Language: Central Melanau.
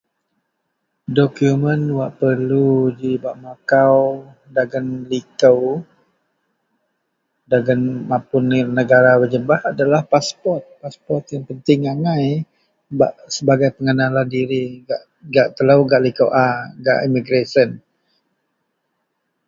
Dokumn wak perlu gi bak macau dagen liko, Dagen mapun negara bah jebah adalah paspot, paspot ien penting angai bak sebagai pengenalan diri gak telo gak liko a gak imigresen.